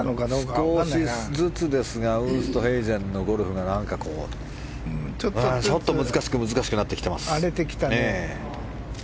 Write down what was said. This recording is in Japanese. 少しずつですがウーストヘイゼンのゴルフがちょっと難しくなってきています。